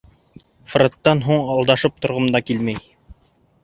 Фредтан һуң алдашып торғом да килмәй.